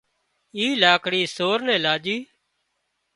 اي لاڪڙي سور نين لاڄي